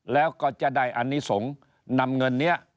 แล้วก็จะได้อนิสงฆ์นำเงินนี้